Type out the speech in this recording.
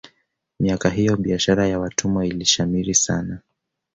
miaka hiyo biashara ya watumwa ilishamiri sana